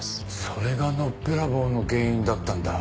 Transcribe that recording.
それがのっぺらぼうの原因だったんだ。